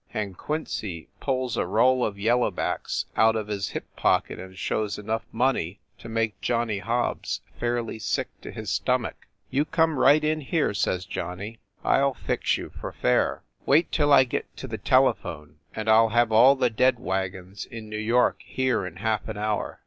And Quincy pulls a roll of yellow backs out of his hip pocket and shows enough money to make Johnny Hobbs fairly sick to his stomach. "You come right in here," says Johnny. "I ll fix you, for fair! Wait till I get to the telephone and I ll have all the dead wagons in New York here in half an hour.